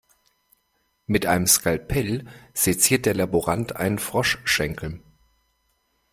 Mit einem Skalpell seziert der Laborant einen Froschschenkel.